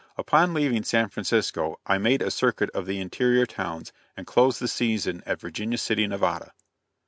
Upon leaving San Francisco I made a circuit of the interior towns and closed the season at Virginia City, Nevada.